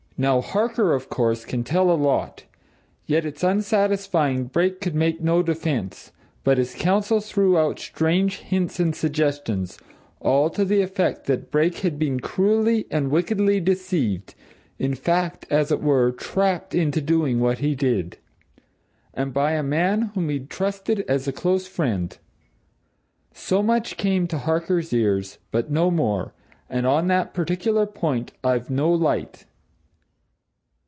"Now, Harker, of course, can tell a lot yet it's unsatisfying. Brake could make no defence but his counsel threw out strange hints and suggestions all to the effect that Brake had been cruelly and wickedly deceived in fact, as it were, trapped into doing what he did. And by a man whom he'd trusted as a close friend. So much came to Harker's ears but no more, and on that particular point I've no light.